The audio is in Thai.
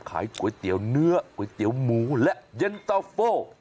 ขายก๋วยเตี๋ยวเนื้อก๋วยเตี๋ยวหมูและเย็นตะโฟ